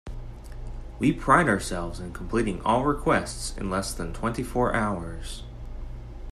We pride ourselves in completing all requests in less than twenty four hours.